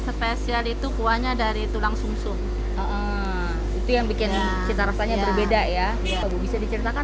spesial itu kuahnya dari tulang sum sum itu yang bikin cita rasanya berbeda ya bisa diceritakan